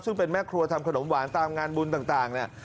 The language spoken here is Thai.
ซึ่งเป็นแม่ครัวทำขนมหวานตามงานบุญต่างเนี่ย